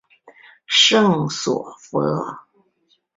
圣索弗。